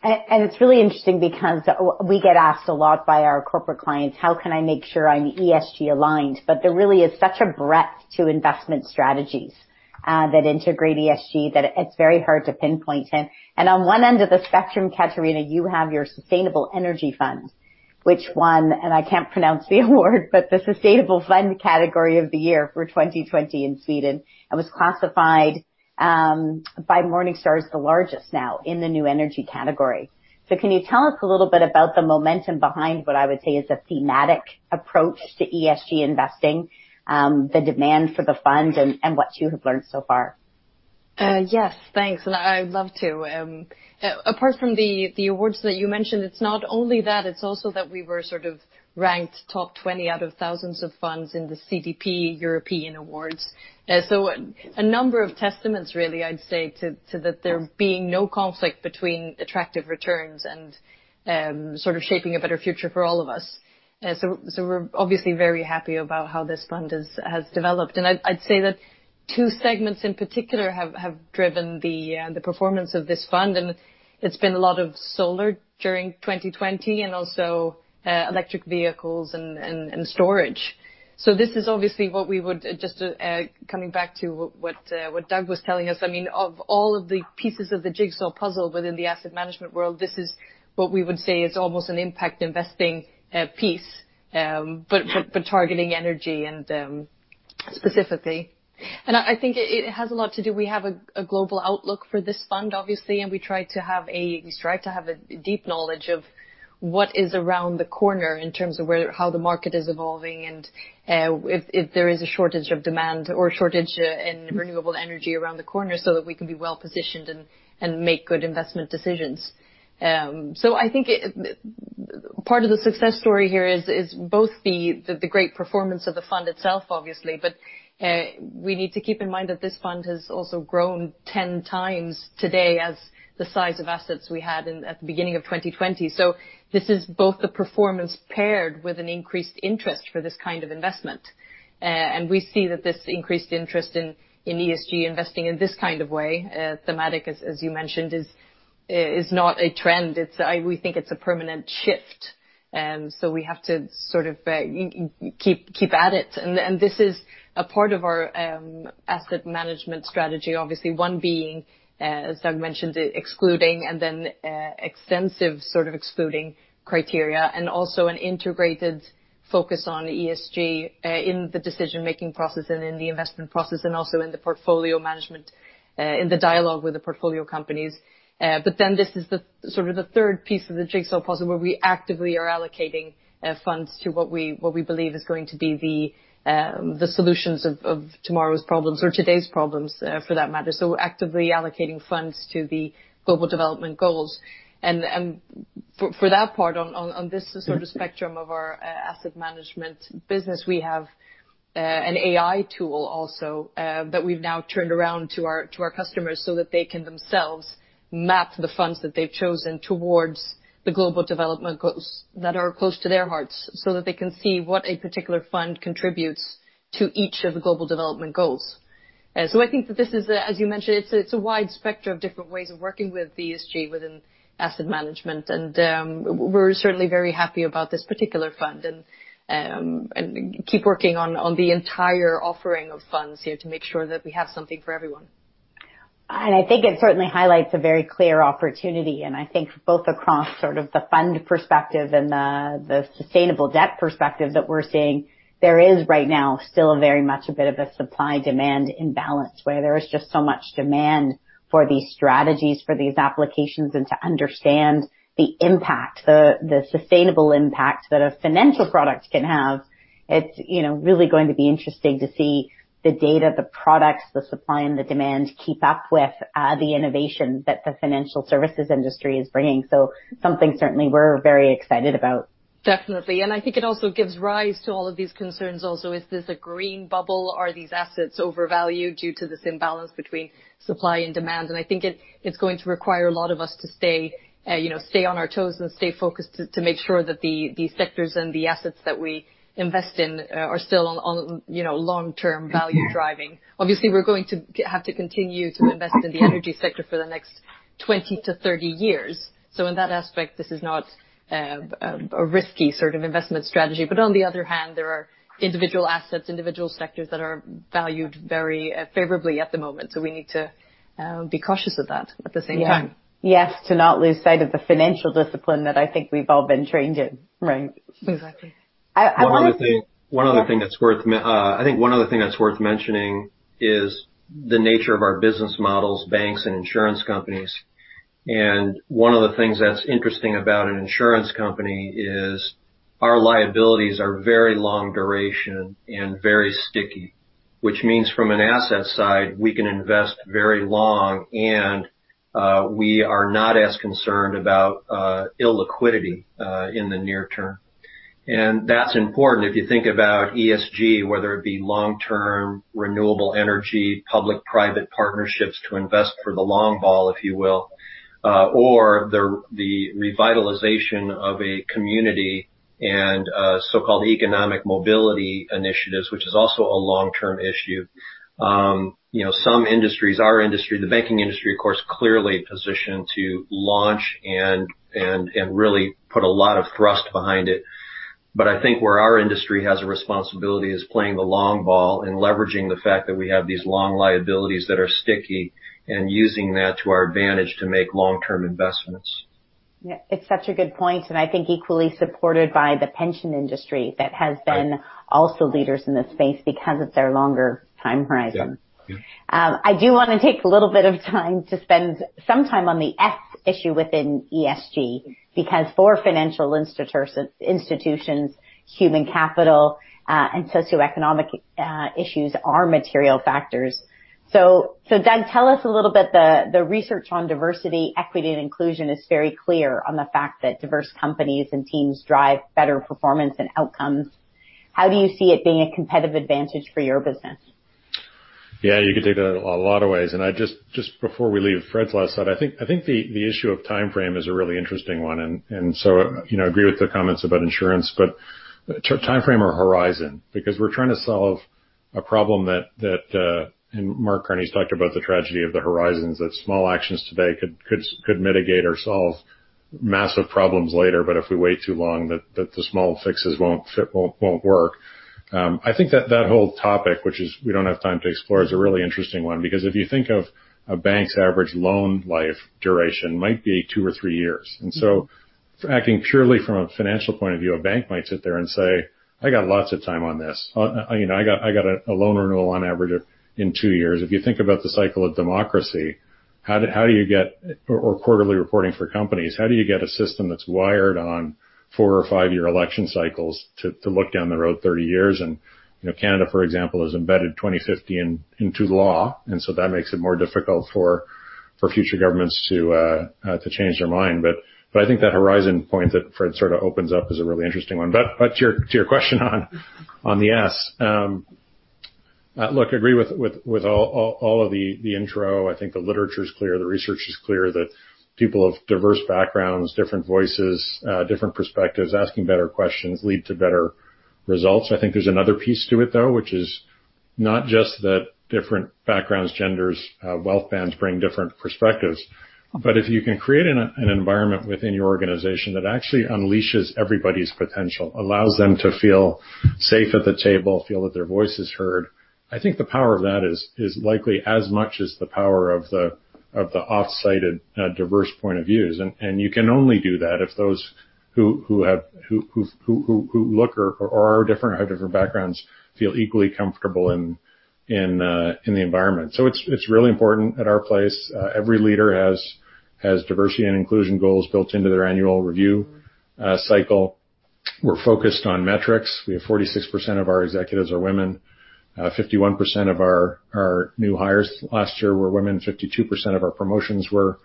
It's really interesting because we get asked a lot by our corporate clients, "How can I make sure I'm ESG aligned?" There really is such a breadth to investment strategies that integrate ESG, that it's very hard to pinpoint. On one end of the spectrum, Katarina, you have your Sustainable Energy Funds, which won, and I can't pronounce the award, but the Sustainable Fund Category of the Year for 2020 in Sweden, and was classified by Morningstar as the largest now in the new energy category. Can you tell us a little bit about the momentum behind what I would say is a thematic approach to ESG investing, the demand for the fund and what you have learned so far? Yes. Thanks. I would love to. Apart from the awards that you mentioned, it's not only that, it's also that we were sort of ranked top 20 out of thousands of funds in the CDP Europe Awards. A number of testaments really, I'd say, to that there being no conflict between attractive returns and sort of shaping a better future for all of us. We're obviously very happy about how this fund has developed. I'd say that two segments in particular have driven the performance of this fund, and it's been a lot of solar during 2020 and also electric vehicles and storage. This is obviously what we would, just coming back to what Doug was telling us, of all of the pieces of the jigsaw puzzle within the asset management world, this is what we would say is almost an impact investing piece, but targeting energy specifically. I think it has a lot to do. We have a global outlook for this fund, obviously, and we strive to have a deep knowledge of what is around the corner in terms of how the market is evolving and if there is a shortage of demand or shortage in renewable energy around the corner so that we can be well-positioned and make good investment decisions. I think part of the success story here is both the great performance of the fund itself, obviously, but we need to keep in mind that this fund has also grown 10 times today as the size of assets we had at the beginning of 2020. This is both the performance paired with an increased interest for this kind of investment. We see that this increased interest in ESG investing in this kind of way, thematic, as you mentioned, is not a trend. We think it's a permanent shift, we have to sort of keep at it. This is a part of our asset management strategy, obviously, one being, as Doug mentioned, excluding and then extensive sort of excluding criteria, and also an integrated focus on ESG in the decision-making process and in the investment process, and also in the portfolio management, in the dialogue with the portfolio companies. This is the sort of the third piece of the jigsaw puzzle where we actively are allocating funds to what we believe is going to be the solutions of tomorrow's problems or today's problems, for that matter. We're actively allocating funds to the Sustainable Development Goals. For that part, on this sort of spectrum of our asset management business, we have an AI tool also that we've now turned around to our customers so that they can themselves map the funds that they've chosen towards the Sustainable Development Goals that are close to their hearts, so that they can see what a particular fund contributes to each of the Sustainable Development Goals. I think that this is, as you mentioned, it's a wide spectrum of different ways of working with the ESG within asset management, we're certainly very happy about this particular fund and keep working on the entire offering of funds here to make sure that we have something for everyone. I think it certainly highlights a very clear opportunity, and I think both across sort of the fund perspective and the sustainable debt perspective that we're seeing, there is right now still very much a bit of a supply-demand imbalance, where there is just so much demand for these strategies, for these applications, and to understand the impact, the sustainable impact that a financial product can have. It's really going to be interesting to see the data, the products, the supply and the demand keep up with the innovation that the financial services industry is bringing. Something certainly we're very excited about. Definitely. I think it also gives rise to all of these concerns also. Is this a green bubble? Are these assets overvalued due to this imbalance between supply and demand? I think it's going to require a lot of us to stay on our toes and stay focused to make sure that the sectors and the assets that we invest in are still on long-term value driving. Obviously, we're going to have to continue to invest in the energy sector for the next 20 to 30 years. In that aspect, this is not a risky sort of investment strategy. On the other hand, there are individual assets, individual sectors that are valued very favorably at the moment. We need to be cautious of that at the same time. Yes. To not lose sight of the financial discipline that I think we've all been trained in, right? Exactly. I want to- I think one other thing that's worth mentioning is the nature of our business models, banks, and insurance companies. One of the things that's interesting about an insurance company is our liabilities are very long duration and very sticky. Which means from an asset side, we can invest very long, and we are not as concerned about illiquidity in the near term. That's important if you think about ESG, whether it be long-term renewable energy, public-private partnerships to invest for the long ball, if you will, or the revitalization of a community and so-called economic mobility initiatives, which is also a long-term issue. Some industries, our industry, the banking industry, of course, clearly positioned to launch and really put a lot of thrust behind it. I think where our industry has a responsibility is playing the long ball and leveraging the fact that we have these long liabilities that are sticky and using that to our advantage to make long-term investments. Yeah. It's such a good point, I think equally supported by the pension industry that has been also leaders in this space because of their longer time horizon. Yeah. I do want to take a little bit of time to spend some time on the S issue within ESG, because for financial institutions, human capital, and socioeconomic issues are material factors. Doug, tell us a little bit, the research on diversity, equity, and inclusion is very clear on the fact that diverse companies and teams drive better performance and outcomes. How do you see it being a competitive advantage for your business? Yeah, you could take that a lot of ways. Just before we leave Fred's last thought, I think the issue of timeframe is a really interesting one, agree with the comments about insurance, but timeframe or horizon. We're trying to solve a problem that, Mark Carney's talked about the tragedy of the horizons, that small actions today could mitigate or solve massive problems later, but if we wait too long, that the small fixes won't work. I think that that whole topic, which we don't have time to explore, is a really interesting one, because if you think of a bank's average loan life duration might be two or three years. Acting purely from a financial point of view, a bank might sit there and say, "I got lots of time on this. I got a loan renewal on average in two years." If you think about the cycle of democracy or quarterly reporting for companies, how do you get a system that's wired on four or five-year election cycles to look down the road 30 years? Canada, for example, has embedded 2050 into law, that makes it more difficult for future governments to change their mind. I think that horizon point that Fred sort of opens up is a really interesting one. To your question on the S. Look, I agree with all of the intro. I think the literature's clear, the research is clear that people of diverse backgrounds, different voices, different perspectives, asking better questions lead to better results. I think there's another piece to it, though, which is not just that different backgrounds, genders, wealth bands bring different perspectives. If you can create an environment within your organization that actually unleashes everybody's potential, allows them to feel safe at the table, feel that their voice is heard, I think the power of that is likely as much as the power of the oft-cited diverse point of views. You can only do that if those who look or are different or have different backgrounds feel equally comfortable in the environment. It's really important at our place. Every leader has diversity and inclusion goals built into their annual review cycle. We're focused on metrics. We have 46% of our executives are women. 51% of our new hires last year were women, 52% of our promotions were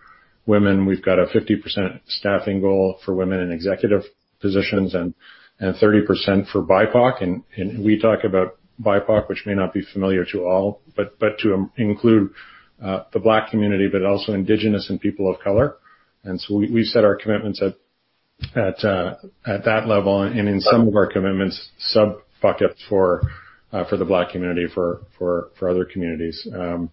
women. We've got a 50% staffing goal for women in executive positions and 30% for BIPOC. We talk about BIPOC, which may not be familiar to all, but to include the Black community, but also Indigenous and people of color. We set our commitments at that level and in some of our commitments, sub-buckets for the Black community, for other communities. On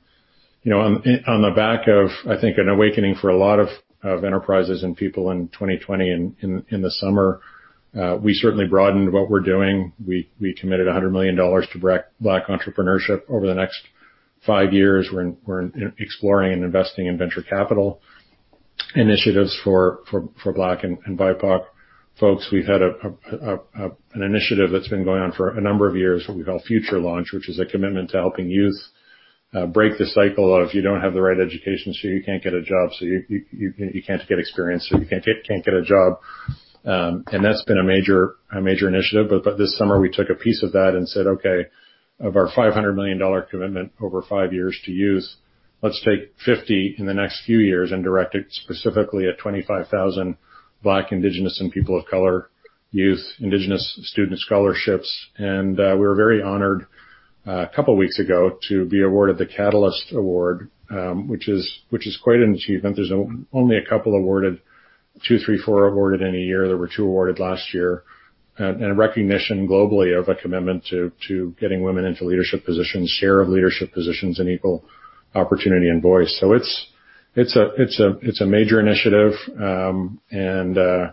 the back of, I think, an awakening for a lot of enterprises and people in 2020 in the summer, we certainly broadened what we're doing. We committed $100 million to Black entrepreneurship over the next five years. We're exploring and investing in venture capital initiatives for Black and BIPOC folks. We've had an initiative that's been going on for a number of years, what we call RBC Future Launch, which is a commitment to helping youth break the cycle of if you don't have the right education so you can't get a job, so you can't get experience, so you can't get a job. That's been a major initiative. This summer, we took a piece of that and said, "Okay, of our $500 million commitment over five years to youth, let's take 50 in the next few years and direct it specifically at 25,000 Black, Indigenous, and people of color youth, Indigenous student scholarships." We were very honored a couple of weeks ago to be awarded the Catalyst Award, which is quite an achievement. There's only a couple awarded, two, three, four awarded in a year. There were two awarded last year. A recognition globally of a commitment to getting women into leadership positions, share of leadership positions, and equal opportunity and voice. It's a major initiative. I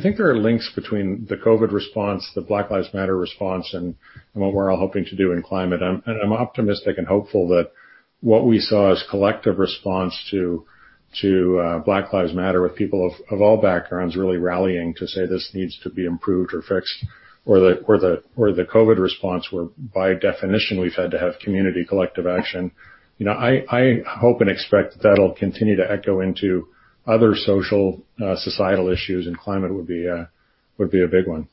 think there are links between the COVID response, the Black Lives Matter response, and what we're all hoping to do in climate. I'm optimistic and hopeful that what we saw as collective response to Black Lives Matter, with people of all backgrounds really rallying to say this needs to be improved or fixed, or the COVID response, where by definition, we've had to have community collective action. I hope and expect that'll continue to echo into other social, societal issues, and climate would be a big one.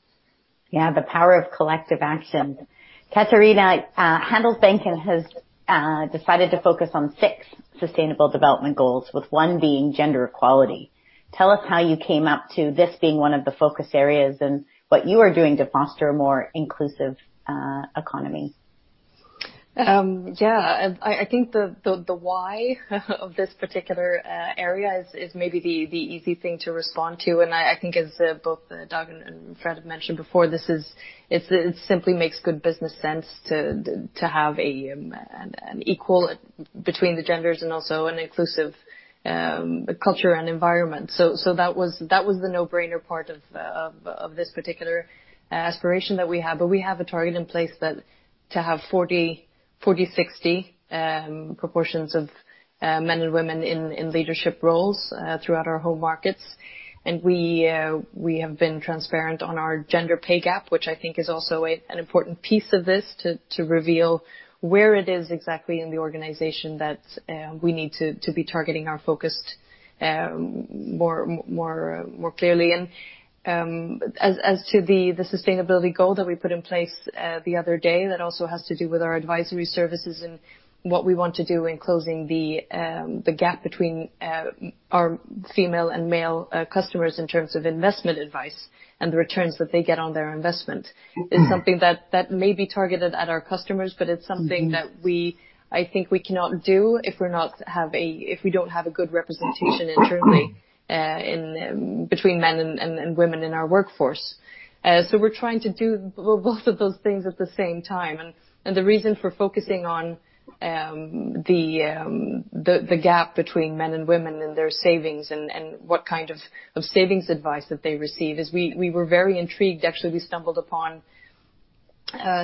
Yeah. The power of collective action. Katarina, Handelsbanken has decided to focus on six Sustainable Development Goals, with one being gender equality. Tell us how you came up to this being one of the focus areas and what you are doing to foster a more inclusive economy. Yeah. I think the why of this particular area is maybe the easy thing to respond to. I think as both Doug and Fred have mentioned before, it simply makes good business sense to have an equal between the genders and also an inclusive culture and environment. That was the no-brainer part of this particular aspiration that we have, but we have a target in place to have 40/60 proportions of men and women in leadership roles throughout our home markets. We have been transparent on our gender pay gap, which I think is also an important piece of this, to reveal where it is exactly in the organization that we need to be targeting our focus more clearly in. As to the sustainability goal that we put in place the other day, that also has to do with our advisory services and what we want to do in closing the gap between our female and male customers in terms of investment advice and the returns that they get on their investment. It's something that may be targeted at our customers, but it's something that I think we cannot do if we don't have a good representation internally between men and women in our workforce. We're trying to do both of those things at the same time, and the reason for focusing on the gap between men and women in their savings and what kind of savings advice that they receive, is we were very intrigued. Actually, we stumbled upon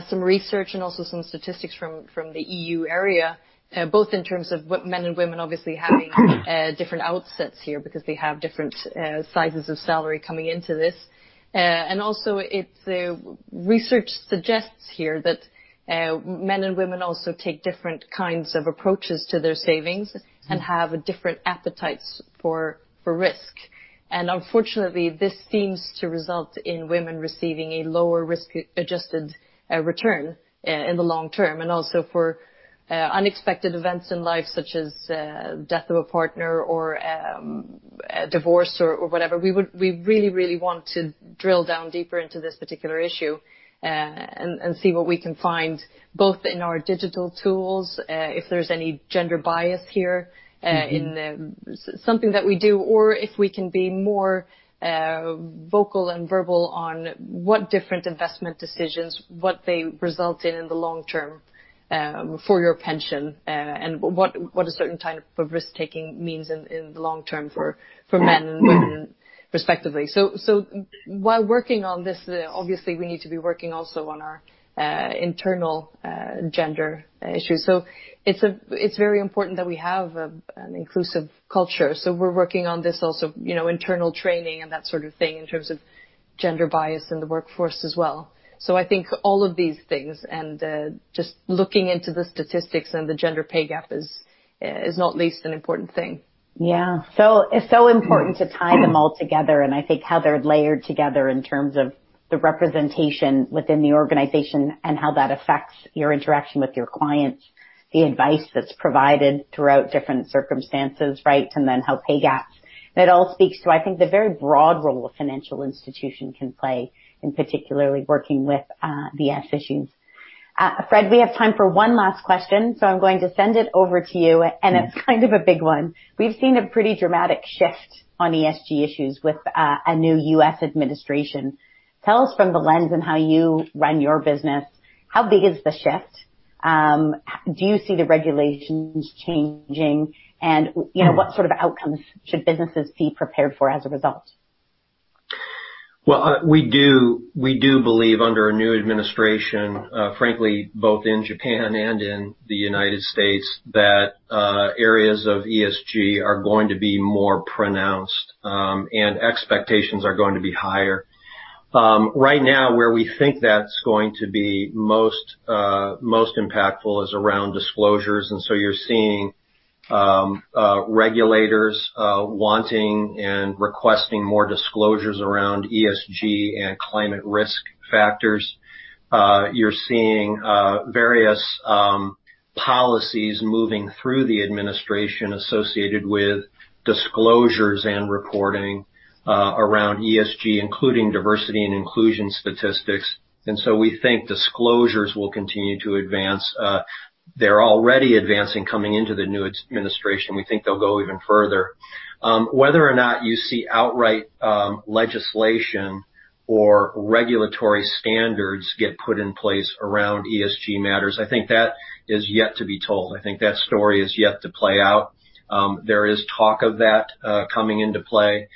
some research and also some statistics from the EU area, both in terms of what men and women obviously having different outsets here because they have different sizes of salary coming into this. Research suggests here that men and women also take different kinds of approaches to their savings and have different appetites for risk. Unfortunately, this seems to result in women receiving a lower risk-adjusted return in the long term. Also for unexpected events in life, such as death of a partner or divorce or whatever. We really want to drill down deeper into this particular issue and see what we can find, both in our digital tools, if there's any gender bias here in something that we do, or if we can be more vocal and verbal on what different investment decisions, what they result in in the long term for your pension, and what a certain type of risk-taking means in the long term for men and women respectively. While working on this, obviously we need to be working also on our internal gender issue. It's very important that we have an inclusive culture. We're working on this also, internal training and that sort of thing in terms of gender bias in the workforce as well. I think all of these things, and just looking into the statistics and the gender pay gap is not least an important thing. Yeah. It's so important to tie them all together, I think how they're layered together in terms of the representation within the organization and how that affects your interaction with your clients, the advice that's provided throughout different circumstances, right, and then how pay gaps. That all speaks to, I think, the very broad role a financial institution can play in particularly working with the S issues. Fred, we have time for one last question, I'm going to send it over to you, it's kind of a big one. We've seen a pretty dramatic shift on ESG issues with a new U.S. administration. Tell us from the lens in how you run your business, how big is the shift? Do you see the regulations changing? What sort of outcomes should businesses be prepared for as a result? We do believe under a new administration, frankly, both in Japan and in the U.S., that areas of ESG are going to be more pronounced, and expectations are going to be higher. Right now, where we think that's going to be most impactful is around disclosures. You're seeing regulators wanting and requesting more disclosures around ESG and climate risk factors. You're seeing various policies moving through the administration associated with disclosures and reporting around ESG, including diversity and inclusion statistics. We think disclosures will continue to advance. They're already advancing coming into the new administration. We think they'll go even further. Whether or not you see outright legislation or regulatory standards get put in place around ESG matters, I think that is yet to be told. I think that story is yet to play out. There is talk of that coming into play.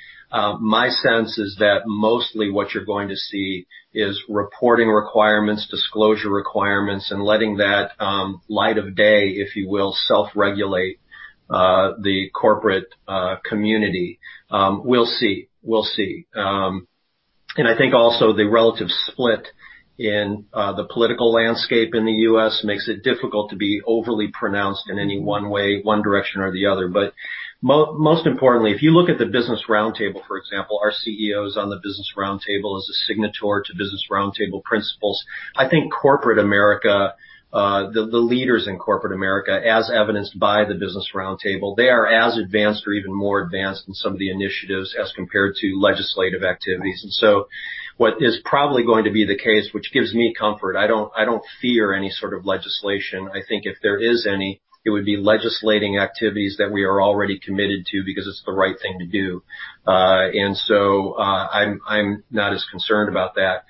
My sense is that mostly what you're going to see is reporting requirements, disclosure requirements, and letting that light of day, if you will, self-regulate the corporate community. We'll see. I think also the relative split in the political landscape in the U.S. makes it difficult to be overly pronounced in any one way, one direction or the other. Most importantly, if you look at the Business Roundtable, for example, our CEO is on the Business Roundtable as a signatory to Business Roundtable principles. I think the leaders in corporate America, as evidenced by the Business Roundtable, they are as advanced or even more advanced in some of the initiatives as compared to legislative activities. What is probably going to be the case, which gives me comfort, I don't fear any sort of legislation. I think if there is any, it would be legislating activities that we are already committed to because it's the right thing to do. I'm not as concerned about that.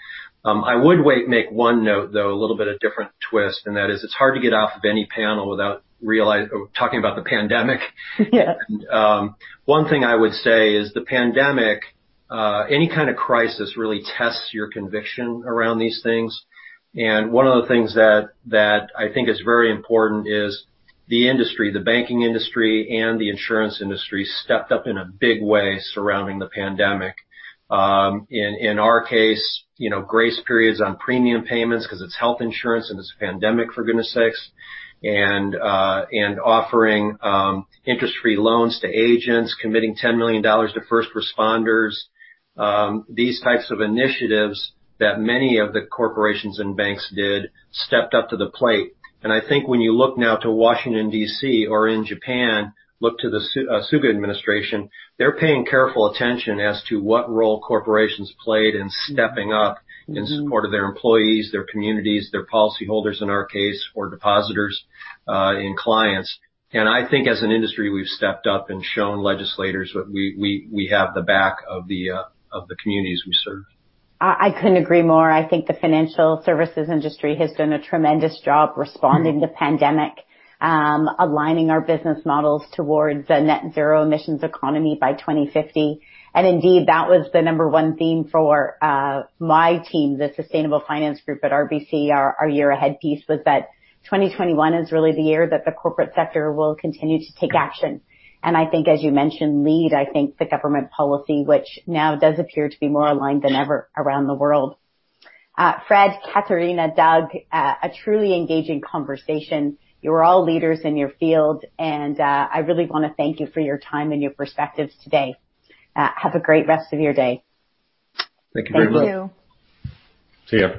I would make one note, though, a little bit of different twist, and that is it's hard to get off of any panel without talking about the pandemic. Yeah. One thing I would say is the pandemic, any kind of crisis really tests your conviction around these things. One of the things that I think is very important is the industry, the banking industry, and the insurance industry stepped up in a big way surrounding the pandemic. In our case, grace periods on premium payments because it's health insurance and it's a pandemic, for goodness sakes. Offering interest-free loans to agents, committing $10 million to first responders. These types of initiatives that many of the corporations and banks did stepped up to the plate. I think when you look now to Washington, D.C., or in Japan, look to the Suga administration, they're paying careful attention as to what role corporations played in stepping up in support of their employees, their communities, their policyholders, in our case, or depositors and clients. I think as an industry, we've stepped up and shown legislators we have the back of the communities we serve. I couldn't agree more. I think the financial services industry has done a tremendous job responding to pandemic, aligning our business models towards a net zero emissions economy by 2050. Indeed, that was the number 1 theme for my team, the sustainable finance group at RBC. Our year ahead piece was that 2021 is really the year that the corporate sector will continue to take action. I think as you mentioned, Lindsay, I think the government policy, which now does appear to be more aligned than ever around the world. Fred, Katarina, Doug, a truly engaging conversation. You are all leaders in your field, and I really want to thank you for your time and your perspectives today. Have a great rest of your day. Thank you very much. Thank you. See you.